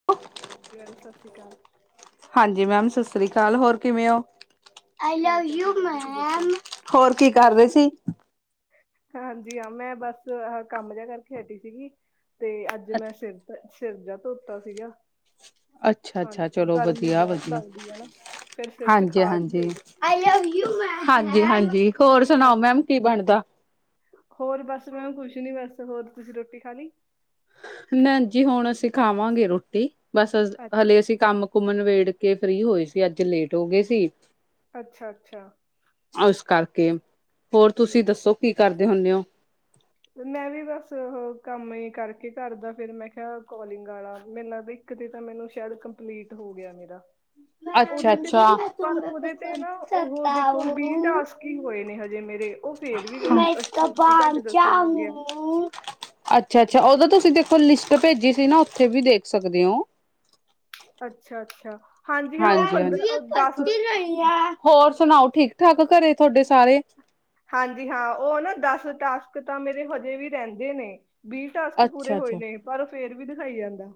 [unintelligible] ਹਾਂਜੀ-ਹਾਂਜੀ, ਸਸ ਸ੍ਰੀ ਕਾਲ। ਹਾਂਜੀ ਮੈਮ, ਸਸ ਸ੍ਰੀ ਕਾਲ। ਹੋਰ ਕਿਵੇਂ ਓ? ਆਈ ਲਵ ਠੀਕ ਹੈ ਯੂ ਠੀਕ ਹੈ ਜੀ ਤੁਸੀਂ ਦੱਸੋ ਮੈਮ, ਹੋਰ ਕੀ ਕਰ ਰੇ ਸੀ? ਹਾਂਜੀ ਹਾਂ, ਮੈਂ ਬਸ ਆਹ ਕੰਮ ਜਿਆ ਕਰਕੇ ਹਟੀ ਸੀਗੀ ਤੇ ਅੱਜ ਮੈਂ ਸਿਰ ਤੇ ਸਿਰ ਜਾ ਧੋਤਾ ਸੀਗਾ। ਅੱਛਾ-ਅੱਛਾ ਹਾਂਜੀ ਚਲੋ ਗਰਮੀ ਬਹੁਤ ਵਧੀਆ-ਵਧੀਆ। ਲੱਗਦੀ ਹੈ ਨਾ ਫਿਰ ਸਿਰ ਚ ਖਾਜ ਹੀ ਹਾਂਜੀ-ਹਾਂਜੀ। ਹੋਈ ਜਾਂਦੀ ਹੈ ਆਈ ਲਵ ਯੂ ਮੈਮ। ਹਾਂਜੀ-ਹਾਂਜੀ। ਹੋਰ ਸੁਨਾਓ ਮੈਮ ਹਾਂਜੀ ਕੀ ਬਨਦਾ? ਹੋਰ ਬਸ ਮੈਮ ਕੁਛ ਨੀ ਬਸ। ਹੋਰ ਤੁਸੀਂ ਰੋਟੀ ਖਾ ਲੀ? ਨਾ ਜੀ, ਹੁਨ ਅਸੀਂ ਖਾਵਾਂਗੇ ਰੋਟੀ, ਬਸ, ਅ ਅੱਛਾ ਹਲੇ ਅਸੀਂ। ਕੰਮ- ਕੁੰਮ ਨਬੇੜ ਕੇ ਫਰੀ ਹੋਏ ਸੀ, ਅੱਜ ਲੇਟ ਹੋ ਗਏ ਸੀ। ਅੱਛਾ-ਅੱਛਾ। ਆਸ ਕਰਕੇ, ਹੋਰ ਤੁਸੀਂ ਠੀਕ ਦੱਸੋ ਕੀ ਕਰਦੇ ਹੁੰਨੇ ਓ? ਮੈਂ ਵੀ ਬਸ ਔਹੋ ਕੰਮ ਈ ਕਰਕੇ ਘਰ ਦਾ, ਫੇਰ ਮੈਂ ਕੇਆ, ਕੋਲਿੰਗ ਆਲਾ ਮੇਨ ਲਗਦਾ ਈ। ਇੱਕ 'ਤੇ ਤਾਂ ਮੈਨੂੰ ਸ਼ੈਦ ਕੰਪਲੀਟ ਹੋ ਗਿਆ ਮੇਰਾ। [inaudible] ਓਦੇ 'ਤੇ, ਅੱਛਾ ਪਰ ਓਦੇ ਤੇ ਨਾ‌, ਓ ਦੇਖੋ ਵੀਹ ਟਾਸਕ। ਤੀਹ ਹੋਏ ਨੇ ਹਜੇ ਮੇਰੇ, ਓ ਫੇਰ ਵੀ ਓ ਇੱਕ ਸੌ ਘਂਟ ਦੱਸਨ ਲਗੇ ਆ। ਅੱਛਾ-ਅੱਛਾ ਓਦਾ ਤੁਸੀਂ ਦੇਖੋ, ਲਿਸਟ ਭੇਜੀ ਸੀ ਨਾ, ਉੱਥੇ ਵੀ ਦੇਖ ਸਕਦੇ ਔਂ। ਅੱਛਾ-ਅੱਛਾ, ਹਾਂਜੀ ਹਾਂ, ਓ ਪੰਦਰਾਂ, ਓ ਦਸ। ਹੋਰ ਸੁਨਾਓ, ਠੀਕ-ਠਾਕ ਘਰੇ ਤੁਹਾਡੇ ਸਾਰੇ? ਹਾਂਜੀ ਹਾਂ, ਓ ਨਾ, ਦਸ ਟਾਸਕ ਤਾਂ ਮੇਰੇ ਹਜੇ ਵੀ ਰੈਂਦੇ ਨੇ। ਵੀਹ ਟਾਸਕ ਪੂਰੇ ਅੱਛਾ ਹੋਏ ਅੱਛਾ ਨੇ, ਪਰ ਫੇਰ ਵੀ ਦਿਖਾਈ ਜਾਂਦਾ।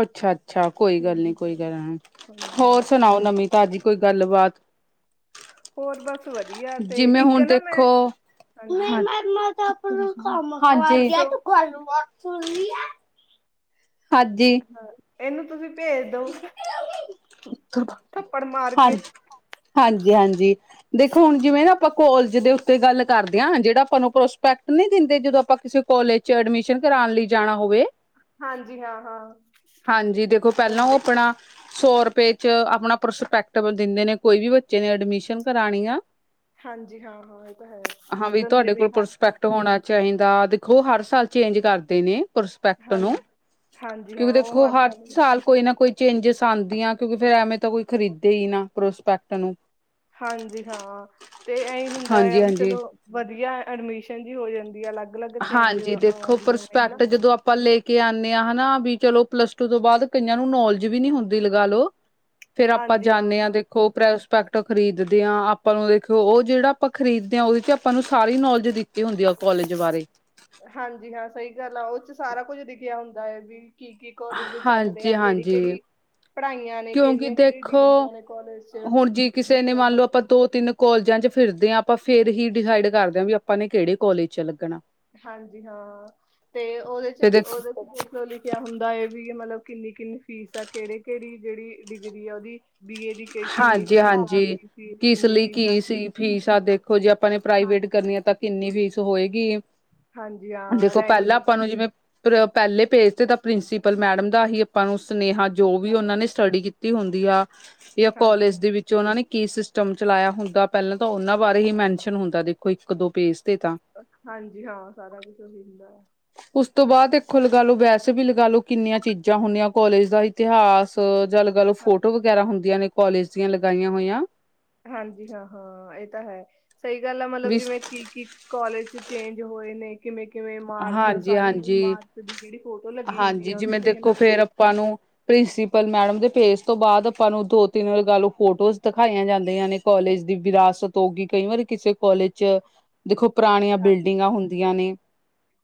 ਅੱਛਾ-ਅੱਛਾ, ਕੋਈ ਹਮ ਗੱਲ ਨੀ, ਕੋਈ ਹਮ ਗੱਲ। ਹਾਂਜੀ ਹਾਂ ਹੋਰ ਸੁਨਾਓ, ਨਵੀਂ- ਤਾਜ਼ੀ ਕੋਈ ਗੱਲਬਾਤ? ਹੋਰ, ਬਸ। ਵਧੀਆ ਤੇ ਜਿਵੇਂ ਇੱਕ ਹੁਨ, ਨਾ ਮੈਂ ਦੇਖੋ ਨਈ ਹਾਂਜੀ ਮੈਮ, ਹਾਂ ਮੈ ਤਾਂ ਆਪਨਾ ਕੰਮ ਕਰਦੀ ਦੱਸੋ ਤੂੰ ਗੱਲ ਬਾਤ ਸੁਨਦੀ ਐ। ਆਦੀ। ਹਾ, ਏਨੂੰ ਤੁਸੀਂ ਭੇਜ ਦੋ, ਥੱਪੜ ਮਾਰ ਕੇ। ਹਾਂਜੀ- ਹਾਂਜੀ। ਦੇਖੋ, ਹੁਨ ਜਿਵੇਂ ਨਾ ਆਪਾਂ ਕੋਲਜ ਦੇ ਉੱਤੇ ਗੱਲ ਕਰਦੇ ਆ, ਜੇੜਾ ਆਪਾਂ ਨੂੰ ਪ੍ਰੋਸਪੈਕਟ ਨੀ ਦਿੰਦੇ, ਜਦੋਂ ਆਪਾਂ ਕਿਸੇ ਕੋਲਜ 'ਚ ਐਡਮਿਸ਼ਨ ਕਰਾਨ ਲਈ ਜਾਣਾ ਹੋਵੇ। ਹਾਂਜੀ, ਹਾਂ-ਹਾਂ। ਪੈਲਾਂ ਓ ਆਪਨਾ ਸੌ ਰੁਪਏ 'ਚ ਆਪਨਾ ਪ੍ਰਸਪੈਕਟਬਲ ਦਿੰਦੇ ਨੇ। ਕੋਈ ਵੀ ਬੱਚੇ ਨੇ ਐਡਮਿਸ਼ਨ ਕਰਾਨੀ ਆ? ਹਾਂਜੀ, ਹਾਂ-ਹਾਂ। ਏਅ ਤਾਂ ਹੈ, ਬਨੰਦੇ ਵੀ ਹਾ। ਧੋਨਾ ਚਾਈਦਾ, ਦੇਖੋ ਹਰ ਸਾਲ ਚੇਂਜ ਕਰਦੇ ਨੇ। ਪਰਸਪੈਕਟ ਹਾਂ ਨੂੰ, ਹਾਂਜੀ ਹਾਂ ਕਿਉਂਕਿ ਉਹ ਦੇਖੋ, ਹਰ ਹੱਥਾਂ ਸਾਲ ਕੋਈ ਨਾ ਕੋਈ ਚੇਂਜਿਸ ਆਦੀਆਂ, ਕਿਉਂਕਿ ਫਿਰ ਐਵੇਂ ਤਾਂ ਕੋਈ ਖਰੀਦੇ ਈ ਨਾ ਪ੍ਰੋਸਪੈਕਟ ਨੂੰ। ਹਾਂਜੀ ਹਾਂ, ਤੇ ਐਈ ਹੁੰਦਾ ਐ ਹਾਂਜੀ ਵੀ ਹਾਂਜੀ ਚਲੋ, ਵਦੀਆ ਐਡਮਿਸ਼ਨ ਜੀ ਹੋ ਜਾਂਦੀ ਆ ਅਲੱਗ। ਅਲੱਗ ਹਾਂਜੀ ਚੇਂਜਿਸ ਦੇਖੋ, ਆਉਂਦੀਆਂ ਨੇ ਹਨਾ ਪਰਸਪੈਕਟ ਜਦੋਂ ਆਪਾਂ ਲੇ ਕੇ ਆਂਨੇ ਹਾਂ, ਹੈ ਨਾ ਬਈ? ਚਲੋ, ਪਲੱਸ ਟੂ ਤੋਂ ਬਾਦ ਕਈਆਂ ਨੂੰ ਨੌਲਜ ਵੀ ਨੀ ਹੁੰਦੀ, ਲਗਾ ਲੋ। ਫੇਰ ਆਪਾਂ ਹਾਂਜੀ ਹਾਂ ਜਾਂਨੇ ਆ, ਹਾਂ ਦੇਖੋ, ਪ੍ਰੈਸ। ਪੈਕਟ ਖਰੀਦਦੇ ਆ, ਆਪਾਂ ਨੂੰ ਦੇਖਿਓ, ਓ ਜੇੜਾ ਆਪਾਂ ਖ਼ਰੀਦ ਦੇ ਆ, ਓਦੇ 'ਚ ਆਪਾਂ ਨੂੰ ਸਾਰੀ ਨੌਲੇਜ ਜੇ ਹੁੰਦੀ ਉਹ ਕੋਲਜ ਬਾਰੇ। ਹਾਂਜੀ ਹਾਂ, ਸਹੀ ਗੱਲ ਆ, ਉਹ 'ਚ ਸਾਰਾ ਕੁੱਝ ਲਿਖਿਆ ਹੁੰਦੈ ਵੀ। ਕੀ- ਕੀ ਕੋਲਜ ਚੱਲ ਹਾਂਜੀ ਰੇਆ, ਕੇੜੀ- ਹਾਂਜੀ ਕੇੜੀ? ਪੜ੍ਹਾਈਆਂ ਨੇ ਕਿਉਂਕਿ ਕੇੜੀਆਂ-ਕੇੜੀਆਂ ਦੇਖੋ ਡਿਗਰੀਆਂ ਨੇ ਕੋਲਜ 'ਚ,? ਵੀ ਉਹ ਬਸ ਦੋ-ਤਿੰਨ ਕੋਲਜਾਂ 'ਚ ਫਿਰਦੇ ਆ ਆਪਾਂ, ਫੇਰ ਹੀ ਡਿਸਾਈਡ ਕਰਦੇ ਵੀ ਆਪਾਂ ਨੇ ਕੇੜੇ ਕੋਲਜ 'ਚ ਲੱਗਨਾ। ਹਾਂਜੀ ਹਾਂ, 'ਤੇ ਓਦੇ 'ਚ ਤੇ ਦੇਖੋ ਓਦੇ 'ਤੇ ਲਿਖਿਆ ਹੁੰਦਾ ਐ ਵੀ, ਮਤਲਬ ਕਿੰਨੀ- ਕਿੰਨੀ ਫੀਸ ਆ, ਕੇੜੇ-ਕੇੜੀ ਜੇੜੀ ਡਿਗਰੀ ਆ, ਉਹਦੀ। ਬੀ ਏ ਦੀ ਕਿੰਨੀ ਫੀਸ ਆ ਹਾਂਜੀ-ਹਾਂਜੀ, ਬੀ ਸੀ ਏ ਦੀ ਕਿਸ ਕਿੰਨੀ ਲਈ ਫੀਸ ਆ ਕੀ ਸੀ ਫੀਸ ਆ, ਦੇ ਦੇਖੋ ਜੀ, ਆਪਾਂ ਨੇ ਪ੍ਰਾਈਵੇਟ ਹਾਂਜੀ ਕਰਨੀ ਐ, ਤਾਂ ਕਿੰਨੀ ਫੀਸ ਹੋਏਗੀ? ਹਾਂਜੀ ਹਾਂ ਦੇਖੋ ਪੈਲਾਂ ਰੈਗੂਲਰ ਆਪਾਂ ਨੂੰ ਜਿਵੇਂ ਪਰ ਪੈਲੇ ਪੇਜ ਤੇ ਤਾਂ ਪ੍ਰਿੰਸੀਪਲ ਮੈਡਮ ਦਾ ਹੀ ਅਪਾਂ ਨੂੰ ਸੁਨੇਹਾ ਜੋ ਵੀ ਓਨਾਂ ਨੇ ਸਟਡੀ ਕੀਤੀ ਹੁੰਦੀ ਆ ਯਾ ਹਾਂਜੀ ਕੋਲੇਜ ਹਾਂ ਦੇ ਵਿੱਚ ਚ ਓਨਾਂ ਨੇ ਕੀ ਸਿਸਟਮ ਚਲਾਏਆ ਹੁੰਦਾ ਪੈਲਾਂ ਤਾਂ ਉਨਾਂ ਬਾਰੇ ਹੀ ਮੈਨਸ਼ਨ ਹੁੰਦਾ ਦੇਖੋ ਇੱਕ ਦੋ ਪੇਜ ਤੇ ਤਾਂ। ਹਾਂਜੀ, ਹਾਂ ਸਾਰਾ ਕੁੱਛ ਓਹੀ ਹੁੰਦੈ। ਉਸ ਤੋ ਬਾਦ ਦੇਖੋ ਲਗਾ ਲੋ, ਵੈਸੇ ਵੀ ਲਗਾ ਲੋ ਕਿੰਨੀਆਂ ਚੀਜ਼ਾਂ ਹੁੰਦੀਆਂ ਕੋਲੇਜ ਦਾ ਇਤਿਹਾਸ ਜਾ ਲ ਗਾਲੋ ਫੋਟੋ ਵਗੈਰਾ ਹੁੰਦੀਆਂ ਨੇ ਕੋਲੇਜ ਦੀਆਂ ਲਗਾਈਆਂ ਹੋਈਆਂ। ਹਾਂਜੀ ਹਾਂ-ਹਾਂ, ਏ ਤਾਂ ਹੈ, ਸਈ ਗਾੱਲ ਐ ਮਤਲਬ ਵੀ ਜਿਵੇਂ ਕੀ-ਕੀ ਕੋਲੇਜ ਚ ਚੇਂਜ ਹੋਏ ਨੇ ਕਿਵੇਂ-ਕਿਵੇਂ ਇਮਾਰਤ, ਹਾਂਜੀ ਸਾਰੀ ਹਾਂਜੀ ਇਮਾਰਤ ਦੀ ਜੇੜੀ ਫੋਟੋ ਲੱਗੀ ਹੁੰਦੀ ਹਾਂਜੀ ਐ ਓਦੇ ਜਿਵੇਂ ਤੇ ਦੇਖੋ ਨਾ ਫੇਰ ਆਪਾਂ ਨੂੰ ਪ੍ਰਿੰਸੀਪਲ ਮੈਡਮ ਦੇ ਪੇਜ ਤੋ ਬਾਦ ਅਪਾਂ ਨੂੰ ਦੋ-ਤਿੰਨ ਵ ਲਗਾ ਲੋ ਫੋਟੋਜ਼ ਦਖਾਈਆਂ ਜਾਂਦੀਆਂ ਨੇ। ਕੋਲੇਜ ਦੀ ਵਿਰਾਸਤ ਹੋਗੀ, ਕਈ ਵਾਰ ਕਿਸੇ ਕੋਲੇਜ ਚ ਦੇਖੋ ਪੁਰਾਨੀਆਂ ਬਿਲਡਿੰਗਾਂ ਹੁੰਦੀਆਂ ਨੇ।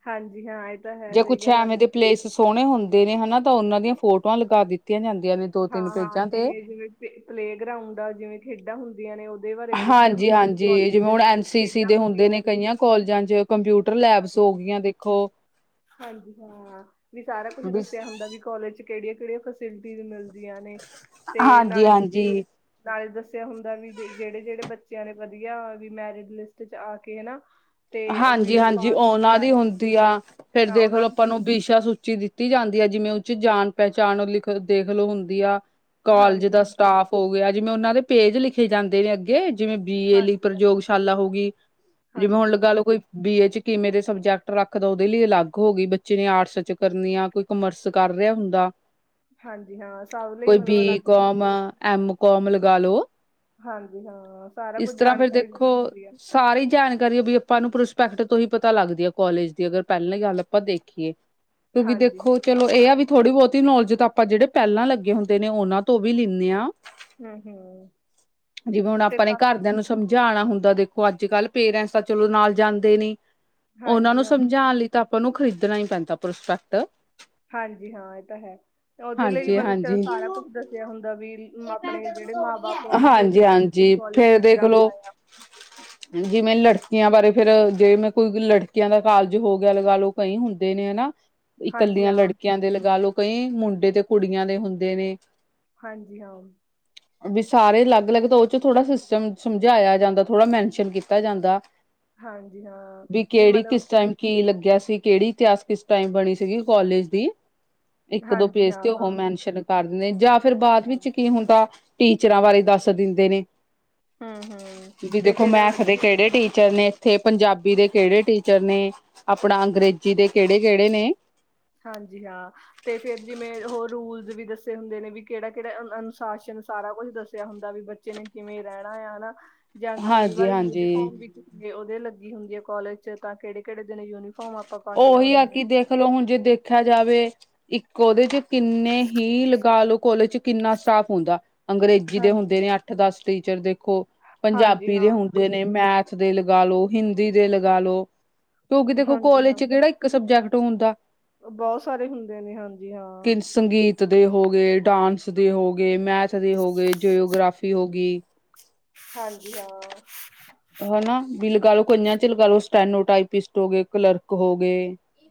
ਹਾਂਜੀ, ਹਾਂ ਏ ਜੇ ਕੁੱਛ ਐਵੇਂ ਦੇ ਪਲੇਸ ਸੋਣੇ ਹੁੰਦੇ ਨੇ, ਹਨਾ ਤੇ ਉਨਾਂ ਦੀਆਂ ਫੋਟੋਆਂ ਲਗਾ ਦਿੱਤੀਆਂ ਜਾਂਦੀਆਂ ਨੇ ਦੋ ਤਿੰਨ ਹਾਂ-ਹਾਂ, ਪੇਜਾਂ ਤੇ ਜਿਵੇਂ-ਜਿਵੇਂ ਪਲੇ ਪਲੇਅ ਗਰਾਉਂਡ ਆ, ਜਿਵੇਂ ਖੇਡਾਂ ਹੁੰਦ ਹੂਂਦੀਆਂ ਨੇ, ਓਦੇ ਬਾਰੇ ਦੱਸੇਆ ਹਾਂਜੀ ਹੁੰਦੈ ਵੀ ਹਾਂਜੀ ਕੋਲੇਜ ਚ ਖੇਡਾਂ ਹੁੰਦੀਆਂ ਨੇ। ਕੋਲਜਾਂ ਚ ਕੰਪਿਊਟਰ ਲੈਬਸ ਹੋ ਗਈਆਂ ਦੇਖੋ ਹਾਂਜੀ-ਹਾਂ, ਵੀ ਸਾਰਾ ਕੁਝ ਦੱਸੇਆ ਹੁੰਦਾ ਵੀ ਕੋਲਜ ਚ ਕੇੜੀਆਂ-ਕੇੜੀਆਂ ਫੈਸਿਲਿਟੀਜ਼ ਮਿਲਦੀਆਂ ਨੇ, ਤੇ ਹਾਂਜੀ ਨਾਲੇ ਹਾਂਜੀ ਨਾਲੇ ਦੱਸੇਆ ਹੁੰਦੈ ਵੀ ਜੇ ਜੇੜੇ-ਜੇੜੇ ਬੱਚੇਆਂ ਨੇ ਵਦੀਆ ਵੀ ਮੈਰਿਡ ਲਿਸਟ ਚ ਆ ਕੇ, ਹਨਾ। ਤੇ ਅਵੀ ਜੀ ਓਨਾਂ ਦੀ ਹੁੰਦੀ ਆ, ਫੇਰ ਹਾਂ ਦੇਖ ਉਹਨਾਂ ਲੋ ਦੀ ਅਪਾਂ ਨੂੰ ਬਿਸ਼ਾ ਸੂਚੀ ਦਿੱਤ ਤੀ ਜਾਂਦੀ ਆ, ਜਿਵੇਂ ਉਚ ਜਾਨ ਪੈਹਚਾਨ ਓ ਲਿਖ ਦੇਖਲੋ ਹੁੰਦੀ ਆ, ਕੋਲਜ ਹਾਂਜੀ ਦਾ ਸਟਾਫ ਹੋ ਗੇਆ, ਜਿਵੇਂ ਓਨਾਂ ਦੇ ਪੇਜ ਲਿਖੇ ਜਾਂਦੇ ਨੇ ਅੱਗੇ ਜਿਵੇਂ ਬੀ ਏ ਲਈ ਹਾਂਜੀ ਪ੍ਰਯੋਗਸ਼ਾਲਾ ਹੋ ਗਈ, ਜਿਵੇਂ ਹੁਣ ਲ ਹਾਂਜੀ ਕੋਈ ਬੀ ਏ ਚ ਕਿਵੇਂ ਦੇ ਸਬਜੈਕਟ ਰਾੱਖਦਾ ਉਦੇ ਲਈ ਅਲੱਗ ਹੋ ਗਈ, ਬੱਚੇ ਨੇ ਆਰਟਸ ਚ ਕਰਨੀ ਆ ਕੋ ਕੋਮਰਸ ਕਰ ਰੇਆ ਹੁੰਦਾ, ਹਾਂਜੀ ਹਾਂ ਸਭ ਲਈ ਕੋਈ ਮਤਲਬ ਅਲੱਗ ਬੀਕੌਮ ਅਲੱਗ ਐੱਮ ਕੋਮ ਲਗਾ ਲੋ। ਹਾਂਜੀ-ਹਾਂ, ਸਾਰਾ ਇਸ ਕੁੱਝ ਤਰ੍ਹਾਂ ਫਿਰ ਜਾਣਕਾਰੀ ਦੀਤੀ ਦੇਖੋ ਹੁੰਦੀ ਆ। ਸਾਰੀ ਜਾਨਕਾਰੀ ਓ ਵੀ ਅ ਪਾਂ ਨੂੰ ਪ੍ਰੋਸਪੈਕਟ ਤੋਂ ਹੀ ਪਤਾ ਲਾਗਦੀ ਆ ਕੋਲੇਜ ਦੇ ਅਗਰ ਪੈਲੀ ਗਾੱਲ ਅਪਾਂ ਦੇਖੀਏ, ਕਿਉਂਕਿ ਹਾਂਜੀ ਹਾਂ, ਦੇਖੋ ਚਲੋ ਏ ਆ ਵੀ ਥੋੜੀ-ਬੋਤੀ ਨੌਲੇਜ ਤਾਂ ਅਪਾਂ ਜੇੜੇ ਪੈਲਾਂ ਲੱਗੇ ਹੁੰਦੇ ਨੇ ਓਨਾਂ ਤੋਂ ਵੀ ਲੀਨੇ ਆ। ਹੂੰ ਹੂੰ ਜਿਵੇਂ ਹੁਣ ਤੇ ਆਪਾਂ ਨੇ ਕਾ- ਘਰਦੇਆਂ ਨੂੰ ਸਮਝਾਣਾ ਹੁੰਦਾ ਦੇਖੋ ਆੱਜ ਕਾੱਲ ਪੇਰੈਂਟਸ ਤਾਂ ਚਲੋ ਨਾਲ ਜਾਂਦੇ ਨੀ। ਓਨਾਂ ਹਾਂਜੀ ਨੂੰ ਹਾਂ ਸਮਝਾਨ ਲਈ ਤਾਂ ਆਪਾਂ ਨੂੰ ਖ਼ਰੀਦਨਾ ਹੀ ਪੈਂਦਾ ਪ੍ਰੋਸਪੈਕਟ। ਹਾਂਜੀ-ਹਾਂ, ਏ ਤਾਂ ਹੈ, ਓਦੇ ਲਈ ਹਾਂਜੀ ਮਤਲਬ ਚਲੋ ਹਾਂਜੀ ਸਾਰਾ ਕੁੱਝ ਦੱਸੇਆ ਹੁੰਦਾ ਵੀ ਆਪਣੇ ਜੇੜੇ ਮਾਂ-ਬਾਪ ਓ ਵੀ ਦੇਖ ਹਾਂਜੀ ਲੈਂਦੇ, ਕਿ ਹਾਂਜੀ ਕੋਲੇਜ ਫੇਰ ਕਿੱਦਾਂ ਦੇਖਲੋ ਦਾ ਆ। ਜਿਵੇਂ ਲੜਕੀਆਂ ਬਾਰੇ ਫੇਰ ਜੇ ਮੈਂ ਕੋਈ ਲੜਕੀਆਂ ਦਾ ਕਾਲਜ ਹੋ ਗੇਆ ਲਗਾ ਲੋ ਕਈ ਹੁੰਦੇ ਨੇ, ਹਨਾ। ਹਾਂਜੀ ਇਕੱਲੀਆਂ ਹਾਂ ਲੜਕੀਆਂ ਦੇ ਲਗਾ ਲੋ, ਕਂਈ ਮੁੰਡੇ ਤੇ ਕੁੜੀਆਂ ਦੇ ਹੁੰਦੇ ਨੇ। ਹਾਂਜੀ, ਹਾਂ। ਵੀ ਸਾਰੇ ਲੱਗ-ਲੱਗ, ਤਾਂ ਓ ਚ ਥੋੜਾ ਸਿਸਟਮ ਸਮਝਾਏਆ ਜਾਂਦਾ ਥੋੜਾ ਮੈਨਸ਼ਨ ਕੀਤਾ ਜਾਂਦਾ। ਹਾਂਜੀ ਹਾਂ, ਵੀ ਕਿਹੜੀ ਮਲਬ ਕਿਸ ਟਾਈਮ ਕੀ ਲੱਗੇਆ ਸੀ, ਕੈੜੀ ਇਤਿਹਾਸ ਕਿਸ ਟਾਈਮ ਬਣੀ ਸੀਗੀ ਕੋਲੇਜ ਦੀ। ਇੱਕ-ਦੋ ਹਾਂਜੀ ਪੇਜ ਤੇ ਹਾਂ ਓ ਹਾਂ ਮੈਨਸ਼ਨ ਕਾਰਦੇ ਨੇ ਜਾਂ ਫਿਰ ਬਾਦ ਹਾਂ। ਵਿੱਚ ਹੁਣ ਤਾਂ ਟੀਚਰਾਂ ਬਾਰੇ ਦੱਸ ਦਿੰਦੇ ਨੇ। ਹੂੰ ਹੂੰ ਜੀ ਤੇ ਦੇਖੋ, ਫੇਰ ਮੈਥ ਦੇ ਜਿਵੇਂ ਕੈੜੇ ਟੀ ਟੀਚਰ ਨੇ ਏਥੇ ਪੰਜਾਬੀ ਦੇ ਕਿਹੜੇ ਟੀਚਰ ਨੇ, ਆਪਣਾ ਅੰਗਰੇਜ਼ੀ ਦੇ ਕੇੜੇ-ਕੇੜੇ ਨੇ। ਹਾਂਜੀ, ਹਾਂ। ਤੇ ਫੇਰ ਜਿਵੇਂ ਹੋਰ ਰੂਲ ਵੀ ਦੱਸੇ ਹੁੰਦੇ ਨੇ, ਵੀ ਕੇੜਾ-ਕੇੜਾ ਅਨੁਸ਼ਾਸਨ ਸਾਰਾ ਕੁਝ ਦੱਸਿਆ ਹੁੰਦਾ ਵੀ ਬ ਬੱਚੇ ਨੇ ਕਿਵੇਂ ਰੈਣਾ ਆਂ ਅਨਾਂ, ਜਾਂ ਕਈ ਵਾਰ ਹਾਂਜੀ-ਹਾਂਜੀ ਯੂਨੀਫਾਰਮ ਵੀ ਜੇ ਓਦੇ ਲੱਗੀ ਹੁੰਦੀ ਐ ਕੋਲਜ ਚ ਤਾਂ ਕੇੜੇ-ਕੇੜੇ ਦਿਨ ਯੂਨੀ ਓਹੀ ਆ ਕੇ ਦੇਖਲੋ ਹੁਣ ਜੇ ਦੇਖਿਆ ਜਾਵੇ। ਇੱਕ ਓਦੇ ਚ ਕਿੰਨੇ ਹੀ ਲਗਾ ਲੋ ਕੋਲੇਜ ਚ ਕਿੰਨਾ ਸਟਾਫ ਹੁੰਦਾ। ਅੰਗਰੇਜ਼ੀ ਦੇ ਹਾਂਜੀ ਹੁੰਦੇ ਨੇ ਅੱ ਦਸ ਟੀਚਰ ਦੇਖੋ, ਹਾਂਜੀ ਪੰਜਾਬੀ ਦੇ ਹੁਣ ਹਾਂ ਹੁੰਦੇ ਨੇ, ਮੈਥ ਦੇ ਲਗਾ ਲੋ, ਹਿੰਦੀ ਦੇ ਲਗਾ ਲੋ। ਕਿਉਂਕਿ ਦੇਖੋ ਹਾਂਜੀ ਕੋਲਜ ਚ ਕਿਹੜਾ ਇੱਕ ਸਬਜੈਕਟ ਹੁੰਦਾ। ਬੋਤ ਸਾਰੇ ਹੁੰਦੇ ਨੇ ਹਾਂਜੀ। ਹਾਂ। ਕਿ ਸੰਗੀਤ ਦੇ ਹੋ ਗੇ, ਡਾਂਸ ਦੇ ਹੋ ਗੇ, ਮੈਥ ਦੇ ਹੋ ਗੇ, ਜਿਓਗ੍ਰਾਫੀ ਹੋਗੀ। ਹਾਂਜੀ, ਹਾਂ। ਹਨਾਂ, ਵੀ ਲਗਾ ਲੋ ਕਈਆਂ ਚ ਲਗਾ ਲੋ, ਸਟੈਨੋ ਟਾਈਪਿਸਟ ਹੋ ਗੇ, ਕਲਰਕ ਹੋ ਗੇ।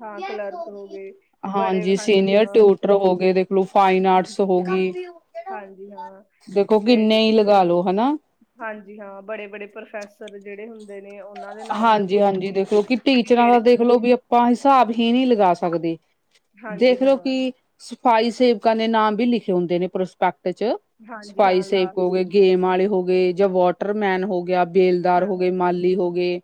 ਹਾਂ ਕਲਰਕ ਹੋ ਗਏ ਬੜੇ ਹਾਂਜੀ ਸੀਨੀਅਰ ਹਾਂ ਟਿਊਟਰ ਹੋ ਗੇ ਦੇਖਲੋ, ਫਾਈਨ ਆਰਟਸ ਹੋ ਗੀ। ਹਾਂਜੀ ਹਾਂ ਦੇਖੋ, ਤੇ ਕਿੰਨੇ ਈ ਲਗਾਾ ਲੋ। ਹਨਾਂ। ਹਾਂਜੀ ਹਾਂ, ਬੜੇ-ਬੜੇ ਪ੍ਰੋਫੈਸਰ ਜੇੜੇ ਹੁੰਦੇ ਨੇ, ਓਨਾਂ ਦੇ ਨਾਮ ਲਿਖੇ ਹਾਂਜੀ ਹਾਂਜੀ, ਜਾਂਦੇ ਨੇ ਦੇਖਲੋ ਕਿ ਵੀ ਟੀਚਰਾਂ ਦਾ ਕਿਹੜੇ ਦੇਖਲੋ ਵੀ ਆਪਾਂ ਹਿਸਾਬ ਹੀ ਨ੍ਹੀਂ ਲਗਾ ਸਕਦੇ। ਹਾਂਜੀ ਦੇਖਲੋ ਹਾਂ, ਕਿ ਸਫ਼ਾਈ ਸੇਵਕਾਂ ਦੇ ਨਾਮ ਵੀ ਲਿਖੇ ਹੁੰਦੇ ਨੇ ਪ੍ਰਸ ਪੱਕ ਚ ਹਾਂਜੀ ਸਪਾਈ ਹਾਂ ਲਾ ਸੇਵ ਹੋਗੇ, ਗੇਮ ਆਲੇ ਹੋ ਗੇ ਜਾਂ ਵਾਟਰਮੈਨ ਹੋ ਗਿਆ। ਬੇਲਦਾਰ ਹਾਂ, ਹੋ ਹਾਂ ਗੇ, ਮਾਲੀ ਹੋ ਗੇ।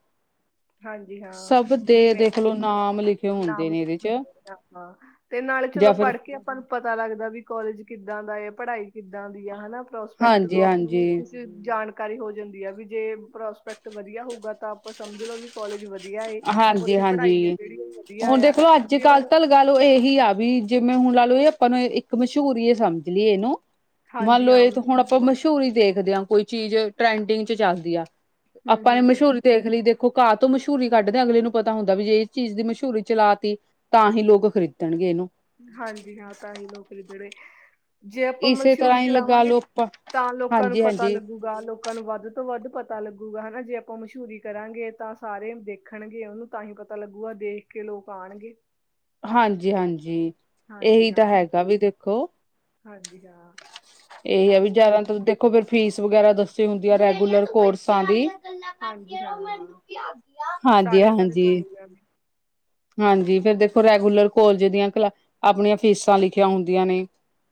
ਹਾਂਜੀ ਹਾਂ, ਜਿਵੇਂ, ਨਾਮ ਲਿਖੇ ਹੁੰਦੇ ਨਾਮ ਨੇ ਇਹਦੇ ਚ [unintelligible] ਆਪਣਾ। ਤੇ ਨਾਲੇ ਚਲੋ ਜਾਂ ਫਿਰ ਪੜ੍ਹ ਕੇ ਆਪਾਂ ਨੂੰ ਪਤਾ ਲੱਗਦਾ ਵੀ, ਕੋਲਜ ਕਿੱਦਾਂ ਦਾ ਏ, ਪੜ੍ਹਾਈ ਕਿੱਦਾਂ ਦੀ ਆ ਹਨਾਂ। ਪ੍ਰੋਸਪੈਕਟ ਹਾਂਜੀ ਤੋਂ ਆਪਾਂ ਹਾਂਜੀ ਕਿਸੇ ਜਾਣ ਕਾਰੀ ਹੋ ਜਾਂਦੀ ਆ ਵੀ ਜੇ ਪ੍ਰੋਸਪੈਕਟ ਵਧੀਆ ਹੋਊਗਾ ਤਾਂ ਆਪਾਂ ਸਮਝ ਲਓ ਵੀ ਕੋਲਜ ਵਧੀ ਵਧੀਆ ਏ, ਹਾਂਜੀ ਓਥੇ ਪੜ੍ਹਾਈ ਆ ਹਾਂਜੀ ਜੇੜੀ ਓ ਵਧੀਆ ਆ ਜੇ ਮਤਲਬ ਓ ਏਹੀ ਆ ਵੀ ਜਿਵੇਂ ਹੁਣ ਲਾ ਲਓ ਏ ਆਪਾਂ ਨੂੰ ਇੱਕ ਮਸ਼ਹੂਰ ਈ ਏ ਸਮਝ ਲਈਏ ਏਨੂੰ। ਮੰਨ ਹਾਂਜੀ ਲੋ ਹਾਂ ਏਹ ਤੇ ਹੁਣ ਆਪਾਂ ਮਸ਼ਹੂਰ ਆ ਮਸ਼ਹੂੂਰਰੀ ਦੇਖਦੇ ਆਂ ਕੋਈ, ਚੀਜ਼ ਟਰੈਂਡਿੰਗ ਚ ਚੱਲਦੀ ਆ। ਹੂੰ ਆਪਾਂ ਨੇ ਹੂੰ ਮਸ਼ਹੂਰੀ ਦੇਖ ਲੀ, ਦੇਖੋ ਘਾਹ ਤੋਂ ਮਸ਼ਊਰੀ ਕੱਢਦੇ ਅਗਲੇ ਨੂੰ ਪਤਾ ਹੁੰਦਾ ਵੀ ਜੇ ਇਸ ਚੀਜ਼ ਦੀ ਮਸ਼ਹੂਰੀ ਚਲਾ ਤੀ, ਤਾਂ ਹੀ ਲੋਕ ਖਰੀਦਣਗੇ ਏਨੂੰ। ਹਾਂਜੀ ਹਾਂ, ਤਾਂ ਹੀ ਲੋਕ ਖਰੀਦੇ ੜੇ। ਜੇ ਆਪਾਂ ਇਸੇ ਤਰ੍ਹਾਂ ਮਸ਼ਊਰੀ ਹੀ ਲਗਾ ਚਲਾਵਾਂਗੇ ਲਓ ਆਪਾਂ ਤਾਂ ਲੋਕਾਂ ਨੂੰ ਹਾਂਜੀ ਪਤਾ ਹਾਂਜੀ ਲੱਗੂ। ਲੋਕਾਂ ਨੂੰ ਵੱਧ ਤੋਂ ਵੱਧ ਪਤਾ ਲੱਗੂਗਾ ਹਨਾਂ, ਜੇ ਆਪਾਂ ਮਸ਼ਊਰੀ ਕਰਾਂਗੇ ਤਾਂ ਸਾਰੇ ਦੇਖਣਗੇ ਓਨੂੰ। ਤਾਂ ਹੀ ਪਤਾ ਲੱਗੂਗਾ, ਦੇਖ ਕੇ ਲੋਕ ਆਣਗੇ। ਹਾਂਜੀ ਹਾਂਜੀ, ਹਾਂਜੀ ਏਹੀ ਤਾਂ ਹਾਂ ਹੈਗਾ ਵੀ ਦੇਖੋ। ਹਾਂਜੀ, ਹਾਂ। ਏਹੀ ਤੇ ਏ ਵੀ ਹੋਰ ਜ਼ਿਆਦਾ ਤ ਦੇਖੋ, ਫਿਰ ਫੀਸ ਵਗੈਰਾ ਦੱਸੀ ਹੁੰਦੀ ਆ ਰੈਗੂਲਰ ਕੋਰਸਾਂ ਦੀ। ਗੱਲਾਂ ਹਾਂਜੀ ਕਰਦੀਆਂ ਰੋ ਮੈਨੂੰ ਹਾਂ ਕੀ ਆਂਦੀਆਂ। ਹਾਂਜੀ, ਸਾਰੇ ਸਾਰੇ ਹਾਂਜੀ। ਕਾਲਜਾਂ ਦੇ ਹਾਂਜੀ ਫੇਰ ਦੇਖੋ ਰੈਗੂਲਰ ਕੋਲਜ ਦੀਆਂ ਕਲਾ, ਆਪਣੀਆਂ ਫੀਸਾਂ ਲਿਖੀਆਂ ਹੁੰਦੀਆਂ ਨੇ।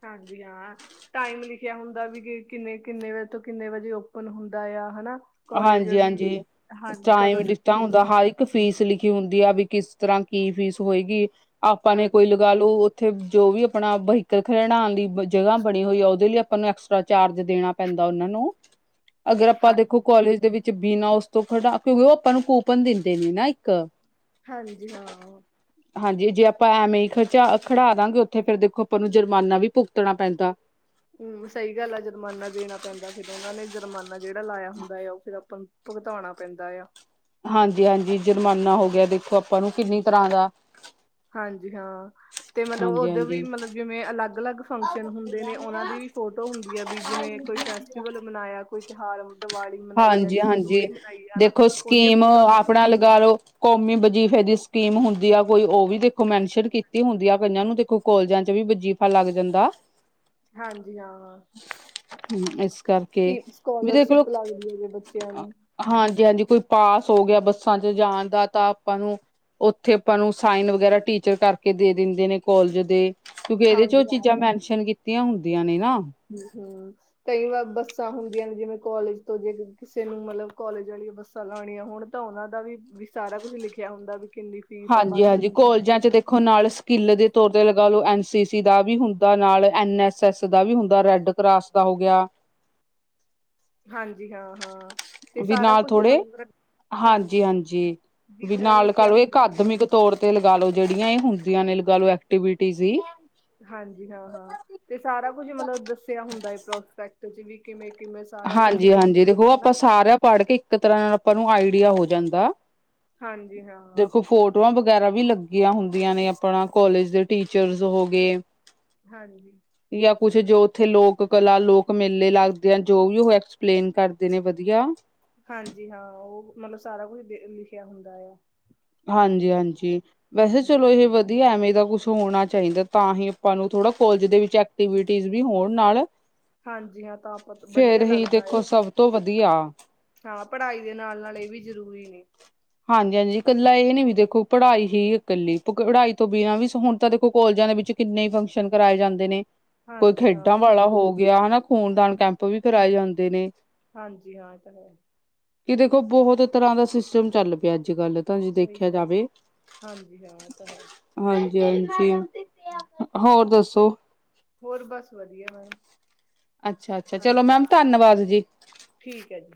ਹਾਂਜੀ, ਹਾਂ। ਟਾਈਮ ਲਿਖਿਆ ਹੁੰਦਾ ਵੀ ਕਿ ਕਿੰਨੇ, ਕਿੰਨੇ ਵਜੇ ਤੋਂ ਕਿੰਨੇ ਵਜੇ ਓਪਨ ਹੁੰਦਾ ਆ, ਹਨਾਂ। ਹਾਂਜੀ ਹਾਂਜੀ, ਟਾਈਮ ਰਿਸਟਾਂ ਛੁੱਟੀ ਹੁੰਦਾ ਹੁੰਦੀ ਆ ਹਰ ਇੱਕ ਇੱਕ ਫੀਸ ਲਿਖੀ ਹੁੰਦੀ ਆ ਵੀ ਕਿਸ ਤਰ੍ਹਾਂ ਕੀ ਫੀਸ ਹੋਏਗੀ, ਆਪਾਂ ਨੇ ਕੋਈ ਹਾਂਜੀ ਲਗਾ ਲੂ। ਉਥੇ ਜੋ ਵੀ ਅਪਣਾ ਬਹੀਕਲ ਖਡਾਣ ਦੀ ਬ ਜਗਾ ਬਣੀ ਹੋਈ ਆ ਉਹਦੇ ਲਈ ਆਪਾਂ ਨੂੰ ਐਕਸ ਦਾ ਚਾਰਜ ਦੇਣਾ ਪੈਂਦਾ ਉਨਾਂ ਨੂੰ। ਅਗਰ ਆਪਾਂ ਦੇਖੋ ਹਾਂਜੀ ਕਾਲਜ ਦੇ ਵਿੱਚ ਬਿਨਾ ਉਸ ਤੋਂ ਖੜਾ, ਕਿਉਕਿ ਉਹ ਆਪਾਂ ਨੂੰ ਕੂਪਨ ਦਿੰਦੇ ਨੇ ਨਾ ਇੱਕ। ਹਾਂਜੀ ਹਾਂ। ਹਾਂਜੀ ਜੇ ਆਪਾਂ ਐਵੇਂ ਹੀ ਖਰਚਾ ਖੜਾ ਦਾਂਗੇ ਉਥੇ ਫੇਰ ਦੇਖੋ ਆਪਾਂ ਨੂੰ ਜੁਰਮਾਨਾ ਵੀ ਭੁਗਤਣਾ ਪੈਂਦਾ। ਹਮ ਸਹੀ ਗੱਲ ਐ ਜੁਰਮਾਨਾ ਦੇਣਾ ਪੈਂਦਾ। ਫਿਰ ਉਨਾ ਨੇ ਜੁਰਮਾਨਾ ਜੇੜਾ ਲਾਯਾ ਹੁੰਦਾ ਯਾ ਉਹ ਫਿਰ ਆਪਾਂ ਨੂੰ ਭੁਗਤੋਣਾ ਪੈਂਦਾ ਯਾ। ਹਾਂਜੀ -ਹਾਂਜੀ। ਜੁਰਮਾਨਾ ਹੋ ਗਿਆ ਦੇਖੋ ਆਪਾਂ ਨੂੰ ਕਿੰਨੀ ਹਾਂਜੀ। ਤਰਾਂ ਦਾ। ਹਾਂਜੀ ਹਾਂ। ਤੇ ਮਤਲਬ ਹਾਂਜੀ ਉਦੋਂ ਵੀ ਹਾਂਜੀ ਮਤਲਬ ਜਿਵੇਂ ਅਲੱਗ- ਅਲੱਗ ਫੰਕਸ਼ਨ ਹੁੰਦੇ ਨੇ, ਉਹਨਾਂ ਦੀ ਵੀ ਫੋਟੋ ਹੁੰਦੀ ਹੈ ਵੀ ਜਿਵੇਂ ਕੋਈ ਫੈਸਟੀਵਲ ਮਨਾਯਾ, ਕੋਈ ਤਿਹਾਰ ਦਵਾਲੀ। ਹਾਂਜੀ- ਹਾਂਜੀ। ਦੇਖੋ ਉਹਦੀਆਂ ਸਕੀਮ ਫੋਟੋਆਂ ਆਪਣਾ ਲਗਾ ਲੋ। ਕੌਮੀ ਵਜੀਫੇ ਦੀ ਸਕੀਮ ਹੁੰਦੀ ਆ ਕੋਈ, ਉਹ ਵੀ ਦੇਖੋ ਮੈਨਸ਼ਨ ਕੀਤੀ ਹੁੰਦੀ ਆ ਕਈਨਾਂ ਨੂੰ, ਦੇਖੋ ਕੋਲਜਾਂ ਚ ਵੀ ਵਜੀਫਾ ਲੱਗ ਜਾਂਦਾ ਹਾਂਜੀ ਹਾਂ। ਇਸ ਕਰਕੇ ਕਿ ਸਕੋਲਰਸਿਪ ਲੱਗਦੀ ਹੋਵੇ ਬੱਚ ਹਾਂ ਹਾਂਜੀ- ਹਾਂਜੀ। ਕੋਈ ਪਾਸ ਹੋ ਗਆ ਬੱਸਾਂ ਚ ਜਾਣ ਦਾ, ਤਾਂ ਆਪਾਂ ਨੂੰ ਉਥੇ ਆਪਾਂ ਨੂੰ ਸਾਈਨ ਵਗੈਰਾ ਟੀਚਰ ਕਰਕੇ ਦੇ ਦਿੰਦੇ ਨੇ ਕੋਲਜ ਦੇ ਕਿਉਂਕਿ ਇਹਦੇ ਚ ਹਾਂਜੀ ਉਹ ਚੀਜ਼ਾਂ ਮੈਨਸ਼ਨ ਕੀਤੀਆਂ ਹੁੰਦੀਆਂ ਨੇ ਨਾ ਹਮ- ਹਮ। ਕਈ ਵਾਰ ਬੱਸਾਂ ਹੁੰਦੀਆਂ ਨੇ, ਜਿਵੇਂ ਕੋਲਜ ਤੋਂ, ਜੇ ਕਿਸੇ ਨੂੰ ਮਤਲਬ ਕੋਲਜ ਵਾਲੀ ਬੱਸ ਤਾਂ ਲਾਣੀਆਂ ਹੋਣ ਤਾਂ ਉਹਨਾਂ ਦਾ ਵੀ- ਵੀ ਸਾਰਾ ਕੁੱਝ ਲਿਖਆ ਹੁੰਦਾ ਵੀ ਕਿੰਨੀ ਫੀਸ ਆ ਬੱਸ ਹਾਂਜੀ-ਹਾਂਜੀ। ਦੀ ਹਨਾ ਕੋਲਜਾਂ ਚ ਦੇਖ ਖੋ ਨਾਲ ਸਕਿੱਲ ਦੇ ਤੌਰ ਤੇ ਲਗਾ ਲੋ, ਐਨ ਸੀ ਸੀ ਦਾ ਵੀ ਹੁੰਦਾ ਨਾਲ, ਐੱਨ ਐੱਸ ਐੱਸ ਦਾ ਵੀ ਹੁੰਦਾ, ਰੈੱਡ ਕਰਾਸ ਦਾ ਹੋ ਗਆ ਹਾਂਜੀ। ਹਾਂ- ਹਾਂ ਤੇ ਵੀ ਸਾਰਾ ਨਾਲ ਕੁਛ, ਥੋੜੇ [unintelligible] ਹਾਂਜੀ। ਵੀ ਅ ਨਾਲ ਲਿਖਿਆ ਹੁੰਦਾ ਜੀ। [unintelligible] [unintelligible] ਤੌਰ ਤੇ ਲਗਾਲੋ ਜੇੜੀਆਂ ਇਹ ਹੁੰਦੀਆਂ ਨੇ ਲਗਾਲੋ ਐਕਟੀਵਿਟੀ ਵੀ ਹਾਂਜੀ। ਹਾਂ- ਹਾਂ, ਤੇ ਸਾਰਾ ਕੁਜ ਮਤਲਬ ਦੱਸਿਆ ਹੁੰਦਾ ਏ ਪ੍ਰੋਸਪੈਕਟ ਚ ਵੀ ਕਿਵੇਂ- ਕਿਵੇਂ ਹਾਂਜੀ -ਹਾਂਜੀ। ਦੇਖੋ ਆਪਾਂ ਸਾਰਾ ਪੜ ਕੇ ਇੱਕ ਤਰਾ ਆਪਾਂ ਨੂੰ ਆੲਡੀਆ ਹੋ ਜਾਂਦਾ ਹਾਂਜੀ ਹਾਂ ਦੇਖੋ, ਫੋਟਵਾਂ ਵਗੈਰਾ ਵੀ ਲੱਗ ਦੀਆਂ ਹੁੰਦੀਆਂ ਨੇ, ਆਪਾਂ ਕੋਲਜ ਦੇ ਟੀਚਰਸ ਹੋ ਗਏ ਹਾਂਜੀ। ਯਾਂ ਕੁੱਛ ਜੋ ਉਥੇ ਲੋਕ-ਕਲਾ, ਲੋਕ-ਮੇਲੇ ਲੱਗਦੇ ਅਨ ਜੋ ਵੀ ਉਹ ਐਕਸਪਲੇਨ ਕਰਦੇ ਨੇ ਵਧੀਯਾ ਹਾਂਜੀ, ਹਾਂ ਉਹ ਮਤਲਬ ਸਾਰਾ ਕੁਛ ਦੇਖ ਲਿਖਆ ਹੁੰਦਾ ਏ। ਹਾਂਜੀ- ਹਾਂਜੀ। ਵੈਸੇ ਹੂੰ-ਹੂੰ ਚਲੋ ਏਹ ਵ ਧੀਆ ਐਵੇਂ ਦਾ ਕੁਛ ਹੋਣਾ ਚਾਹੀਦੈ, ਤਾਂ ਹੀ ਆਪਾਂ ਨੂੰ ਥੋੜਾ ਕੋਲਜ ਦੇ ਵਿੱਚ ਐਕਟੀਵਿਟੀਜ ਵੀ ਹੋਣ ਨਾਲ, ਹਾਂਜੀ ਹਾਂ ਤਾਂ ਆਪਾਂ ਵਧੀਆ ਫੇਰ ਹੀ ਲੱਗਦਾ ਦੇਖੋ ਆ ਸਭ ਤੋਂ ਵਧੀਆ ਹਾਂ, ਪੜਾਈ ਦੇ ਨਾਲ- ਨਾਲ ਇਹ ਵੀ ਜ਼ਰੂਰੀ ਨੇ ਹਾਂਜੀ- ਹਾਂਜੀ। ਇਕੱਲਾ ਏਹ ਨੀ ਵੀ ਦੇਖੋ ਪੜ੍ਹਾਈ ਹੀ ਏ ਕੱਲੀ ਪੜਾਈ ਤੋਂ ਬਿਨਾਂ ਵੀ, ਹੁਣ ਤਾਂ ਦੇਖੋ ਕੋਲਜਾਂ ਦੇ ਵਿੱਚ ਕਿੰਨੇ ਫੰਕਸ਼ਨ ਕਰਾਏ ਜਾਂਦੇ ਨੇ ਕੋਈ ਹਾਂਜੀ ਹਾਂ ਖੇਡਾਂ ਵਾਲਾ ਹੋ ਗਯਾ, ਹਨਾ ਖੂਨਦਾਨ ਕੈਂਪ ਵੀ ਕਰਾਏ ਜਾਂਦੇ ਨੇ ਹਾਂਜੀ ਹਾਂ ਇਹ ਤਾਂ ਹੈ ਕਿ ਦੇਖੋ ਬਹੁਤ ਤਰਾਂ ਦਾ ਸਿਸਟਮ ਚੱਲ ਪਿਐ ਅੱਜ- ਕੱਲ, ਤਾਂ ਜੇ ਸਹੀ ਦੇਖਆ ਗੱਲ ਹੈ ਜਾਵੇ ਹਾਂਜੀ ਹਾਂ ਇਹ ਤਾਂ ਹੈ ਹਾਂਜੀ- ਹਾਂਜੀ। ਹੋਰ ਦੱਸੋ ਹੋਰ ਬਸ ਵਧੀਆ ਮੈਮ। ਅੱਛਾ-ਅੱਛਾ! ਚਲੋ ਹਾਂਜੀ ਹਾਂ ਮੈਮ ਧੰਨਵਾਦ ਜੀ‌। ਠੀਕ ਐ ਜੀ!